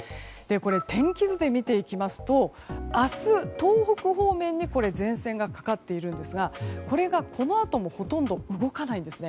天気図で見ていきますと明日、東北方面に前線がかかっているんですがこれがこのあともほとんど動かないんです。